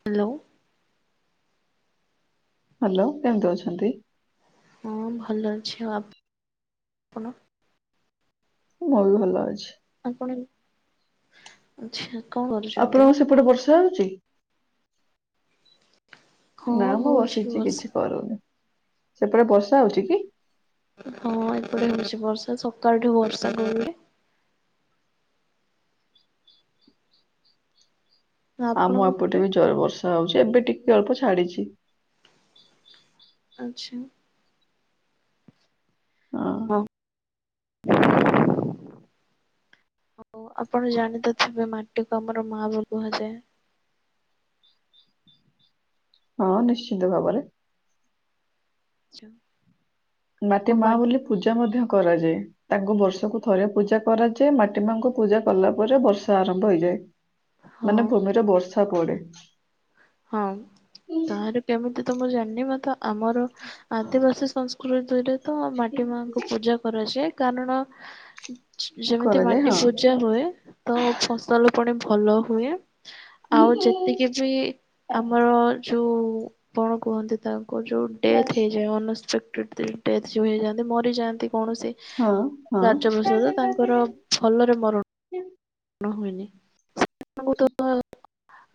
Hello hello କେମିତି ଅଛନ୍ତି ମୁଁ ଭଲ ଅଛି ଆପ ଆପଣ ମୁଁ ବହୁତ ଭଲ ଅଛି ଆପଣ ଆଚ୍ଛା କଣ କରୁଛନ୍ତି ଆଉ? ଆପଣଙ୍କ ସେପଟେ ବର୍ଷା ହଉଛି ହଁ [unintelligible] ନା ମୁଁ ହଉଛି ବସିଛି କିଛି ବର୍ଷା କରୁନି ସେପଟେ ବର୍ଷା ହଉଛି କି ହଁ ଏପଟେ ହେଉଛି ବର୍ଷା ସକାଳଠୁ ବର୍ଷା [inaudible] ଆମ ଆପଣଙ୍କ ଏପଟେ ପଟେ ବି ଜୋର ବର୍ଷା ହଉଛି ଏବେ ଟିକେ ଅଳ୍ପ ଛାଡିଛି ଅଚ୍ଛା ହଁ [unintelligible] ହଉ ଆପଣ ଜାଣିତଥିବେ ମା ଟିକୁ ଆମର ମାଆ ବୋଳି କୁହାଯାଏ ହଁ ନିଶ୍ଚିନ୍ତ ଭାବରେ ଯୁ [inaudible] ମାଟି ମା ବୋଲି ପୂଜା ମଧ୍ୟ କରାଯାଏ ତାଙ୍କୁ ବର୍ଷକୁ ଥରେ ପୂଜା କରାଯାଏ ମାଟି ମାଙ୍କୁ ପୂଜା କଲା ପରେ ବର୍ଷା ଆରମ୍ଭ ହେଇଯାଏ ହଁ ମାନେ ଭୂମିର ବର୍ଷ ପଡ଼େ ହଁ ତାହାର କେମିତି ତ ମୁଁ ଜାଣିନି ମତେ ଆମର ଆଦିବାସୀ ସଂସ୍କୃତିରେ ତ ମାଟି ମାଙ୍କୁ ପୂଜା କରାଯାଏ କାରଣ ଯେମିତି କରାଯାଏ ମାଟି ହଁ। ପୂଜା ହୁଏ ତ ଫସଲ ପୁଣି ଭଲ ହୁଏ ଆଉ ଯେତିକି ବି ଆମର ଯୋଉ କଣ କୁହନ୍ତି ତା ଯୋଉ ଡେଥ ହେଇଯାଏ ଅନ ହେଇଯାନ୍ତି ମରିଯାଆନ୍ତି। କୌଣସି ହଁ କାର୍ଯ୍ୟ ବାସ୍ତତ ତାଙ୍କର ଭଲରେ ମରଣ ହୁଏନି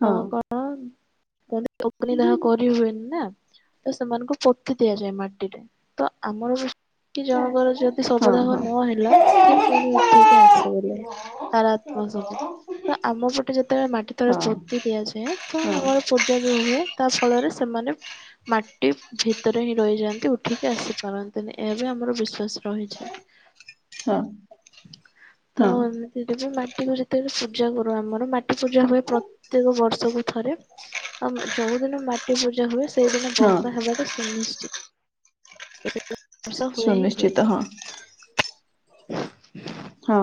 ହଁ କଣ ତା ଅଗନି ହଁ। ଦେହା କରି ହବନ ନା ତ ସେମାନଙ୍କୁ ପୋତି ଦିଆଯାଏ ମାଟିରେ ତ ଆମର ବି କି ହଁ ଜଣଙ୍କର ଯଦି ସବଦାହ ହଁ। ନ ହଁ ହଁ ହେଲା ସିଏ ପୁଣି ଉଠେଇିକି ଆସିଗଲେ ରା ହଁ ହଁ ତ ଆମ ପଟେ ଯେତେବେଳେ ମାଟି ତଳେ ପୋତି ଦିଆଯାଏ ତ ଆମର ପ ହୁଏ ତା ସେମାନେ ମାଟି ଭିତରେ ହିଁ ରହିଯାଆନ୍ତି ଉଠିକି ଆସି ପାରନ୍ତିନି ଏହା ବି ଆମର ବିଶ୍ଵାସ ରହିଛି। ତ ଏମିତିରେ ବି ମା ମାଟିକୁ ଯେତେବେଳେ ପୂଜା କରୁ ଆମର ମାଟି ପୂଜା ହୁଏ ପ୍ରତ୍ୟେକ ବର୍ଷକୁ ଥରେ ଆଉ ଯୋଉ ଦିନ ମାଟି ପୂଜା ହୁଏ। ସେଇଦିନ ହଁ ବର୍ଷା ହେବାଟା ସୁନିଶ୍ଚିତ। ତ ସେ ସୁନିଶ୍ଚିତ ହଁ। [inaudible] ହଁ।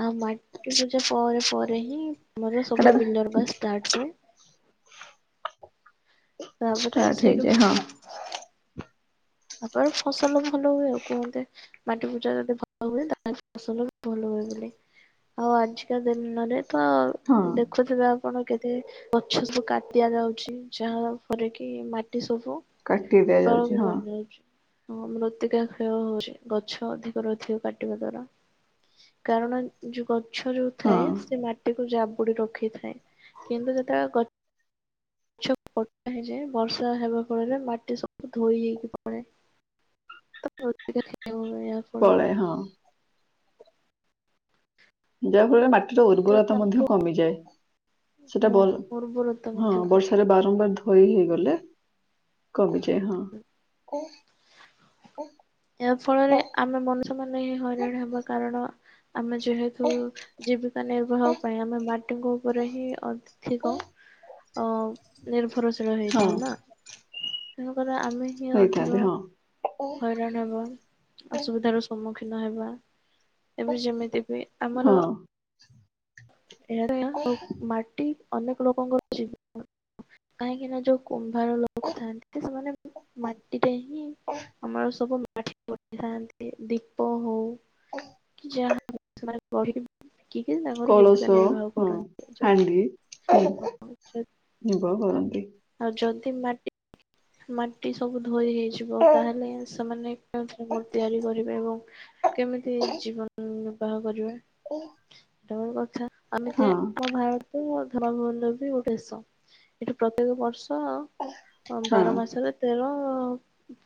ଆଉ ମାଟି ପୂଜା ପରେ ପରେ ହିଁ ଆମର ସେଟା ସବୁ ବିଲର ପା ଷ୍ଟାର୍ଟ ହୁଏ? ତାପରେ ଷ୍ଟାର୍ଟ ସେଇଠୁ ହେଇଯାଏ ହଁ। ତାପରେ ଫସଲ ଭଲ ହୁଏ ଆଉ କୁହନ୍ତେ ମାଟି ପୂଜା ଯଦି ଭଲ ହୁଏ ତାହାଲେ ଫସଲ ବି ଭଲ ହୁଏ ବୋଲି ଆଉ ଆଜିକା ଦିନରେ ତ ହଁ ଦେଖୁଥିବେ ଆ ଆପଣ କେତେ ଗଛ ସବୁ କାଟି ଦଆ ଯାଉଛି ଯାହା ଫରେ କି ମାଟି ସବୁ କାଟି ତଳକୁ ଦିଆଯାଉଛି ହଁ। ବହିଯାଉଛି। ହଁ ମୃତ୍ତିକା କ୍ଷୟ ହଉଛି ଗଛ ଅଧିକରୁ ଅଧିକା କାଟିବା ଦ୍ଵାରା କାରଣ ଯୋଉ ଗଛ ଯୋଉ ହଁ। ଥାଏ ସେ ମାଟିକୁ ଯାବୁ ଜାବୁଡି ରଖିଥାଏ କିନ୍ତୁ ଯେତେବେଳେ ଗଛ ଗଛ କଟା ହେଇଯାଏ ବର୍ଷା ହେବା ଫଳରେ ମାଟି ସବୁ ଧୋଇ ହେଇକି ପଳାଏ। [unintelligible] ପଳାଏ ହଁ। ଯାହା ଫଳରେ ମାଟି ମାଟିର ଉର୍ବରତା ମଧ୍ୟ କମିଯାଏ ସେଟା ହଁ ଉର୍ବରତା ହଁ ମଧ୍ୟ କମିଛି। ବର୍ଷାରେ ବାରମ୍ବାର ଧୋଇ ହେଇଗଲେ କମୁଚି ଏ ହଁ। ଏହା ଫଳରେ ଆମେ ମନୁଷ୍ୟମାନ ହିଁ ହଇରାଣ ହବା କାରଣ ଆମେ ଯେହେତୁ ଜୀବିକା ନିର୍ବାହ ପାଇଁ ଆମେ ମାଟିଙ୍କ ଉପରେ ହିଁ ଅଧିକ ଅଉ ନିର୍ଭରଶି ଶୀଳ ହଁ ହେଇଥାଉ ନା। [unintelligible] ଆମେ ହିଁ ହେଇଥାନ୍ତି ଅଧିକ ହଁ ହଇରାଣ ହେବା ଅସୁବିଧାର ସମ ସମ୍ମୁଖୀନ ହେବା। ଏବେ ଯେମିତି ବି ଆମର ହଁ। [inaudible] [unintelligible] ମାଟି ଅନେକ ଲୋକଙ୍କର ଜବିକା କାହିଁକି ନା ଯୋଉ କୁମ୍ଭାର ଲୋକ ଥାଆନ୍ତି ସେମାନେ ମାଟିରେ ହିଁ ଆମର ସବୁ [unintelligible] ଦୀପ ହଉ କି ଯାହା ବି ସେମାନେ [unintelligible] କି କି ତାଙ୍କର ଯି ହଁ ହଁ ହାଣ୍ଡି ଯଦି ନିର୍ଭର କରନ୍ତି। ଆଉ ଯଦି ମାଟି ମାଟି ସବୁ ଧୋଇ ହେଇ ଯିବ ତାହେଲେ ସେମାନେ କେମିତି କଣ ତିଆରି କରିବେ ଏବଂ [inaudible] କେମିତି ଜୀବନ କ କରିବା ଉଁ। ଏଇଟା ଗୋଟେ କଥା ଆମେତ ଆମ ଭାରତ ମୋ ଧବ ଗୋଟ ଦେଶ ଏଠି ପ୍ରତ୍ୟେକ ବର୍ଷ ଓ ବାର ମାସରେ ତେର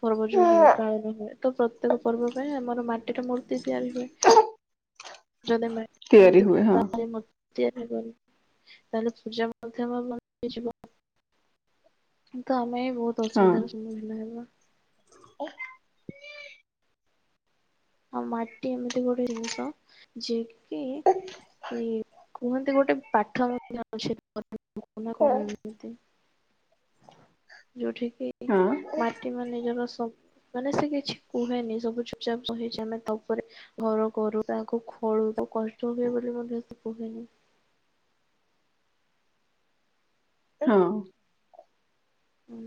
ପର୍ବ ଯୋଉ ହୁଏ ପାଳନ ହୁଏ ତ ପ୍ରତ୍ୟେକ ପର୍ବ ପାଇଁ ଆମର ମାଟିର ମୂର୍ତ୍ତି ତିଆରି ହୁଏ। ଯଦି ମାଟି ତିଆରି ନଥିବ ହୁଏ ହଁ ତାହେଲେ ମ ତିଆରି କରୁ ତାହଲେ ପୂଜା ମାଧ୍ୟମ ବନିଯିବ। ତ ଆମେ ବୋହୁତ ଅସୁବିଧାର ସମ୍ମୁଖୀନ ହେମା ଓ ହଁ ମାଟି ଏମିତି ଗୋଟେ ଜିନିଷ ଯିଏକି କି ଇ କୁହନ୍ତି ଗୋଟେ ପାଠ ମଧ୍ୟ ଅଛି [unintelligible] ନା ହଁ କଣ ଏମିତି। ଯୋଉଠିକି ମାଟି ମାଆ ନିଜର ସ ମାନେ ସେ କିଛି କୁହେନି ସବୁ ଚୁପଚାପ୍ ରହିଚେ ଆମେ ତା ଉପରେ ଘର କରୁ ତାକୁ ଖୋଳୁ ତାକୁ କଷ୍ଟ ହୁଏ ବୋଲି ମଧ୍ୟ ସେ କୁହେନି। ହଁ। ହୁଁ।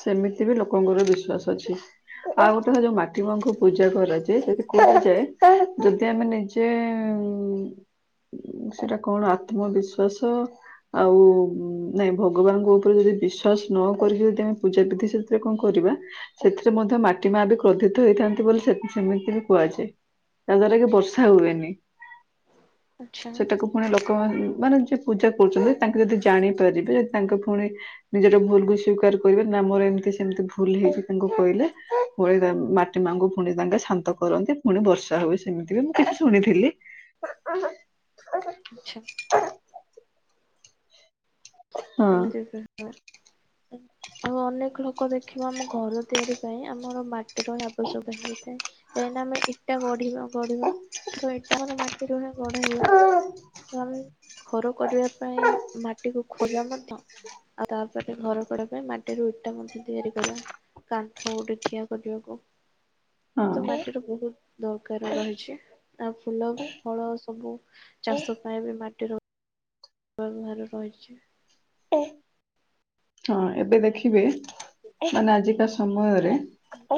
ସେମିତି ବି ଲୋକଙ୍କର ବିଶ୍ଵାସ ଅଛି ଆଉ ଗୋଟେ ହେଲା ଯୋଉ ମା ମାଟି ମାଙ୍କୁ ପୂଜା କରାଯାଏ ସେଥି କୁହାଯାଏ ଯଦି ଆମେ ନିଜେ ସେଟା କଣ ଆତ୍ମବିଶ୍ଵାସ ଆଉ ନାଇଁ ଭ ଭଗବାନଙ୍କ ଉପରେ ଯଦି ବିଶ୍ଵାସ ନ କରିକି ଯଦି ଆମେ ପୂଜାବିିଧି ସେଥିରେ କଣ କରିବା ସେଥିରେ ମଧ୍ୟ ମାଟି ମାଆ ବି କ୍ରୋଧିତ ହେଇଥାନ୍ତି ବୋଲି ସେ ସେମିତି ବି କୁହାଯାଏ ଯାହାଦ୍ଵାରା କି ବର୍ଷା ହୁଏନି। ଆଚ୍ଛା ସେଟାକୁ ପୁଣି ଲ କମାନ ମାନେ ଯିଏ ପୂଜା କରୁଚନ୍ତି ତାଙ୍କେ ଯଦି ଜାଣିପାରିବେ ତାଙ୍କ ଫୁଣି ନିଜର ଭୁଲକୁ ସ୍ୱୀକାର କରିବେ ନା ମୋର ଏମିତି ସେମିତି ଭୁଲ ହେଇଚି ତାଙ୍କୁ କହିଲେ ବଳିଦାନ ମାଟି ମାଆଙ୍କୁ ଫୁଣି ତାଙ୍କେ ଶାନ୍ତ କରନ୍ତି ଫୁଣି ବର୍ଷା ହୁଏ ସେମିତି ବି ମୁଁ କିଛି ଶୁଣିଥିଲି। ଆଚ୍ଛା। ହଁ ଆମେ ଜାଗା ହବା। ଆଉ ଅନେକ ଲୋକ ଦେଖିବ ଆମ ଘର ତିଆରି ପାଇଁ ଆମର ମାଟିର ଆବଶ୍ୟକ ହେଇଥାଏ କାହିଁକିନା ଆମେ ଇଟା ଗଢିବା ଗଢିବା ତ ଏଟା ଆମର ମାଟିରୁ ଗଢାହୁଏ ତ ଆମେ ଘର କରିବା ପାଇଁ ମାଟିକୁ ଖୁ ଫୁଲ ମଧ୍ୟ ଆଉ ତାପରେ ଘର କରିବା ପାଇଁ ମାଟିରୁ ଇଟା ମଧ୍ୟ ତିଆରି କଲା କାନ୍ଥ ଗୋଟେ ଠିଆ କରିବାକୁ ତ ହଁ। ମାଟିର ବୋହୁତ ଦରକାର ରହିଛି ଆଉ ଫୁଲ ଫଳ ସବୁ ଚାଷ ପାଇଁ ବି ମାଟିର [unintelligible] ଭାର ରହିଚି ହଁ ଏବେ ଦେଖିବେ ମାନେ ଆଜିକା ସମୟରେ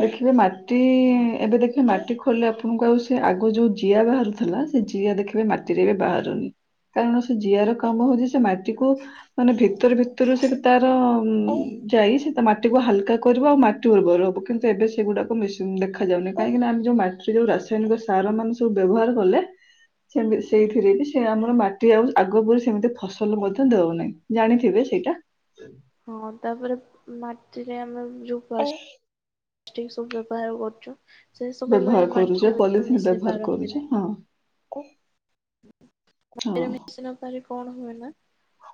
ଦେଖିବେ ମା ମାଟି ଏବେ ଦେଖିବେ ମାଟି ଖୋଲିଲେ ଆପଣଙ୍କୁ ଆଉ ସିଏ ଆଗ ଯୋଉ ଜିଆ ବାହାରୁଥିଲା ସେ ଜିଆ ଦେଖିବେ ମାଟିରେ ଏବେ ବାହାରୁନି କାରଣ ସେ ଜିଆର କାମ ହୋଉଚି ସେ ମାଟିକୁ ମାନେ ଭିତରୁ ଭିତରୁ ସେଟା ତାର ଯାଇ ସେ ତା ମାଟିକୁ ହାଲକା କରିବ ଆଉ ମାଟି ଉର୍ବର ହବ କିନ୍ତୁ ଏବେ ସେଗୁଡାକ ମିସିନ ଦେଖାଯାଉନି କାହିଁକିନା ଆମେ ଯୋଉ ମାଟିରେ ଯୋଉ ରାସାୟନିକ ସାରମାନେ ସବୁ ବ୍ୟବହାର କଲେ ସେମି ସେଇଥିରେ ବି ସେ ଆମ ମାଟି ଆଉ ଆଗ ପ ସେମିତି ଫସଲ ମଧ୍ୟ ଦଉନାହିଁ ଜାଣିଥିବେ ସେଇଟା। ହଁ ତାପରେ ମାଟିରେ ଆମେ। ଏ ରୂପସ। ଠିକ ସବୁ ବ୍ୟବହାର କରୁଛୁ। ସେ ସବୁ ପାଇଁ ବ୍ୟବହାର ମାଟିରେ କରୁଛ ପଲିଥିନ୍ ମିଶି ବ୍ୟବହାର ପାରନ୍ତି କରୁଛେ ନାହିଁ। ହଁ। କୁ। ମାଟିରେ ମିଶି ନ ପାରିବ କଣ ହୁଏନା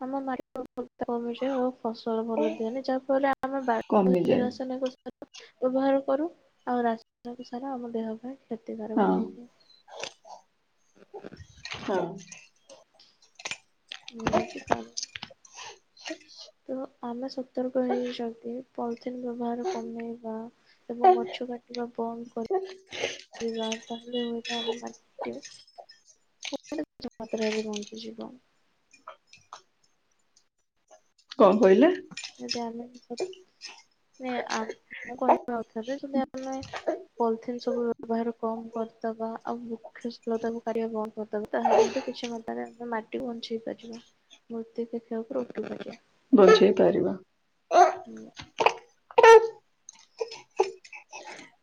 [unintelligible] ଫସଲ ଭଲ ଦିଅନି ଯାହାଫଳରେ ଆମେ ବା କମିଯାଏ ରାସାୟନିକ। ବ୍ୟବହାର କରୁ ଆଉ ରାସାୟନିକ ସାରା ଆମ ଦେହ ପାଇଁ। ହଁ କ୍ଷତିକାରକ ହେଇଥାଏ। ହଁ। ଇଏ ହଉଚି। ତ ଆମେ ସତର୍କ ହେଇଛନ୍ତି। ପଉ। ବ୍ୟବହାର କମେଇବା ଏବଂ ଗଛ କାଟିବା ବନ୍ଦ କରିବା। ତାହେଲେ ହୁଏତ [unintelligible] ବଞ୍ଚି ଯିବ। କଣ କହିଲେ। ଯଦି ଆମେ କହିବା କଥା ଯଦି ଆମେ ପଲି ସବୁ ବ୍ୟବହାର କମ କରିଦବା। ଆଉ ମୁଖ୍ୟ [unintelligible] ତାକୁ କରିବା ବନ୍ଦ କରିଦବ। ତାହେଲେ ତ କିଛି ହଁନ୍ତାନା। ମାଟି ବଞ୍ଚେଇ ପାରିବା ମୂର୍ତ୍ତି ଦେଖିବା ଉପରେ ଉଠୁ ପାରିବା। ବୁଝେଇ ପାରିବା। ହୁଁ।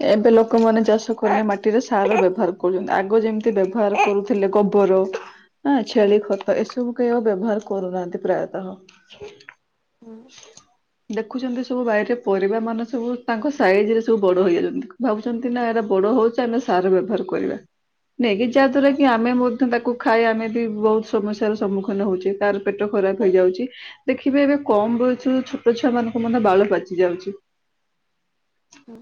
ଏବେ ଲୋକମାନେ ଚାଷ କଲେ ମାଟିରେ ସାର ବ୍ୟବହାର କରୁଛନ୍ତି ଆଗ ଯେମିତି ବ୍ୟବହାର କରୁଥିଲେ ଗୋବର। ହଁ ହୁଁ ଛେଳି ଖତ ଏସବୁ। ବ୍ୟବହାର କରୁନାହାନ୍ତି ପ୍ରାୟତଃ। ହୁଁ। ଦେଖୁଛନ୍ତି ସବୁ ଗାଇରେ ପରିବା ମାନେ ସବୁ ତାଙ୍କ ସାଇଜ ରେ ସବୁ ବଡ ହେଇ ଯାଉଛନ୍ତି। ଭାବୁଛନ୍ତି ନା ଏଟା ବଡ ହଉଛି ଆମେ ସାର ବ୍ୟବହାର କରିବା ନାଇଁକ ଯାହା ଦ୍ଵାରା କି। ଆମେ ମଧ୍ୟ ତାକୁ ଖାଇ ଆମେ। ବି ବହୁତ ସମସ୍ୟାର ସମ୍ମୁଖୀନ ହଉଚେ କାର ପେଟ ଖରାପ ହେଇଯାଉଛି ଦେଖିବେ ଏବେ କମ ବୟସରୁ ଛୋଟ ଛୁଆ ମାନଙ୍କ ମଧ୍ୟ ବାଳ ପାଚି ଯାଉଚି। ହୁଁ।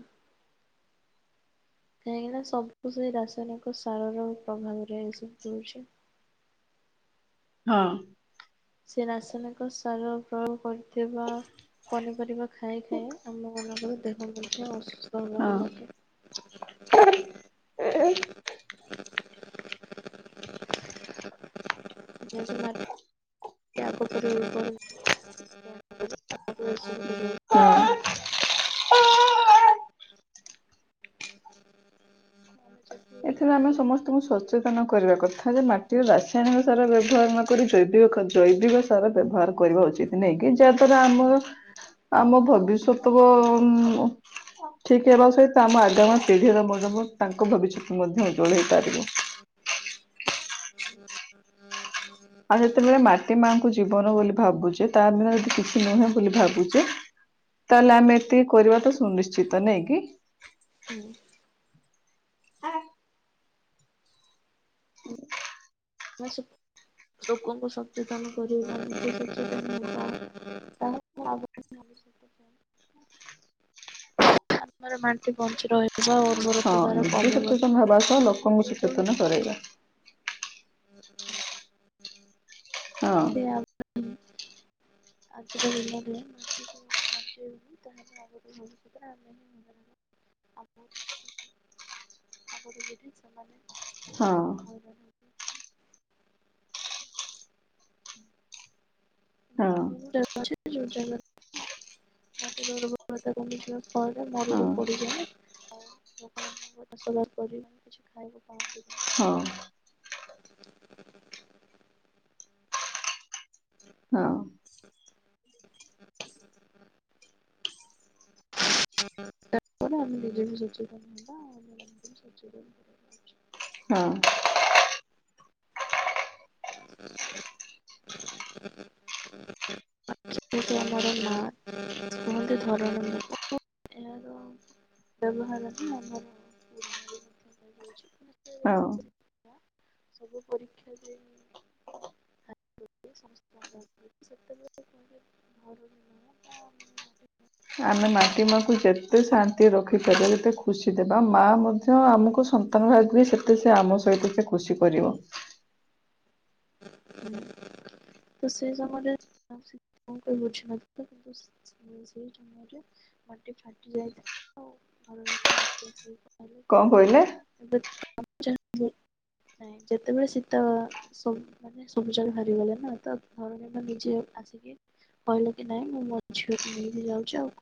କାହିଁକିନା ସବୁ ସେ ରାସାୟନିକ ସାରର ପ୍ରଭାବରେ ଏସବୁ ହଉଛି। ହଁ। ସେ ରାସାୟନିକ ସାର ପ୍ରୟୋଗ କରିଥିବା ପନିପରିବା ଖାଇ ଖାଇ ଆମ ମାନଙ୍କ ଦେହ ମଧ୍ୟ ଅସୁସ୍ଥ ହେବାକୁ ଲାଗେ। ହଁ। ଯେହେତୁ ମାଟି [inaudible] [unintelligible] [unintelligible] ଆମେ ଏଥିରେ ଆମେ ସମସ୍ତଙ୍କୁ ସଚେତନ କରିବା କଥା ଯେ ମାଟିର ରାସାୟନିକ ସାର ବ୍ୟବହାର ନକରି ଜୈବ ଜୈବିକ ସାର ବ୍ୟବହାର କରିବା ଉଚିତ, ନାଇକି ଯାହାଦ୍ଵାରା ଆମର ଆମ ଭବିଷ୍ୟତ ଠିକ ହେବା ସହିତ ଆମ ଆଗାମୀ ପିଢିର ମ ତାଙ୍କ ଭବିଷ୍ୟତ ମଧ୍ୟ ଜଳେଇ ପାରିବୁ। ଆଉ ଯେତେବେଳେ ମାଟି ମାଙ୍କୁ ଜୀବନ ବୋଲି ଭାବୁଛେ, ତା ଦ ଯଦି କିଛି ନୁହେଁ ବୋଲି ଭାବୁଛେ, ତାହେଲେ ଆମେ ଏତିକି କରିବା ତ ସୁନିଶ୍ଚିତ ନଈ କିି? ହୁଁ। ଆ ଲୋକଙ୍କୁ ସଚେତନ କରିବା [unintelligible] ବଞ୍ଚି ରହିବା। [unintelligible] ନିଜେ ସଚେତନ ହେବା ସହ ଲୋକଙ୍କୁ ଏବେଠୁ ହିଁ ସଚେତନ କରାଇବା। [unintelligible] ହଁ। ଯଦି ଆଗ ଆଜିର ଦିନରେ ମାଟିକୁ। ହଁ [unintelligible] ଏମିତି ହଁ ବହୁତ ଜାଗା ଅ ଯୋଉ ଜାଗଟି ହଁ ମରୁଡି ପଡିଯାଏ, ଆଉ। ହଁ [unintelligible] ହୁଁ। ହଁ [inaudible] [inaudible] ଆ ବିଜେ କର। ହଁ [unintelligible] [inaudible] ଯେହେତୁ ଆମର ମା କୁହନ୍ତି ଧରଣୀ। [unintelligible] ଏହାର ବ୍ୟବହାର ଆମର ପଣାଉଛି ହଁ। [unintelligible] ସବୁ ପରୀକ୍ଷା ଦେଇବେଳେହଁ। [unintelligible] ଆମେ ମାଟିମା ଯେତେ ଶାନ୍ତି ରଖିପିବ ଏତେ ଖୁସି ଦେବା ମାଆ ମଧ୍ୟ ଆମକୁ ସନ୍ତାନ ଭା ବି ସେତେ ସେ ଆମ ସହିତ ସେ ଖୁସି କରିବ। [unintelligible] ତ ସେଇ ସମୟରେ କଣ ବୁଝିିନଥିଲା କିନ୍ତୁ ସେଇ ସମୟରେ ମାଟି ଫାଟି ଯାଇଥିଲା। [unintelligible] କଣ କହିଲେ [unintelligible] [unintelligible] ନାଇଁ ଯେତେବେଳେ ଶୀତ ସବୁଜାଡ ହାରିଗଲେ ନା ତ ଧରଣୀ ନିଜେ ଆସିକି କହିଲେ କି ନାଇଁ ମୁଁ ମୋ ଝିଅକୁ ନେଇକି ଯାଉଛି, ଆଉ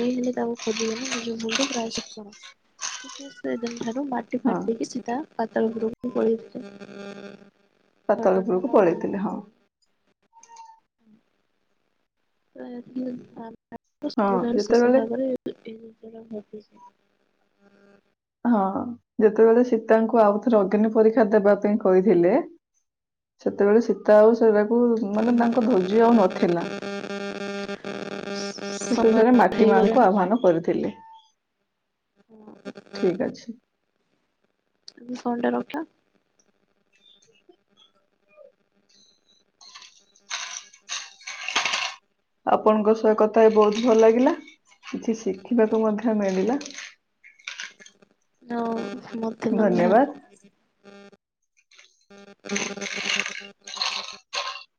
କେ ହେଲେ ତାକୁ ଖୋଜିବନି ନିଜ ମୁଲ ପ୍ରାୟ କଣ ତ [inaudible] ସେ ସେଦିନ ଠାରୁ ମାଟି ହଁ ଫାଟିକି ସିଧା ପାତଳ ଉପରକୁ ପଳେଇଥିଲେ। ଧରଣୀମା ପାତାଳପୁରକୁ ତାକୁ ନେଇକି ପଳେଇଥିଲେ ହଁ। ପଳେଇଲେ। [inaudible] [unintelligible] ସ ହଁ ବୁଠାରୁ ଶେଷ ଯେତେବେଳେ ଭାବରେ। [unintelligible] ହଁ ଯେତେବେଳେ ସୀତାଙ୍କୁ ଆଉ ଥରେ ଅଗ୍ନି ପରୀକ୍ଷା ଦେବା ପାଇଁ କହିଥିଲେ ସେତେବେଳେ ସୀତା ଆଉ ଶର ସବୁ ମାନେ ତାଙ୍କ ଧ୍ୱଜି ଆଉ ନଥିଲା, ଶ ସମୟ ଶେଷରେ ମାଟି ମାଆଙ୍କୁନ ହେଇଗଲାଣି। ଆହ୍ୱାନ କରିଥିଲେ। ହୁ। ଠିକ ଅଛି। [unintelligible] ଆପଣଙ୍କ ସହ କଥା ହେଇ ବହୁତ ଭଲ ଲାଗିଲା। କିଛି ଶିଖିବାକୁ ମଧ୍ୟ ମିଳିଲା। ହଁ। ମତେ ମଧ୍ୟ। ଧନ୍ୟବାଦ। [inaudible]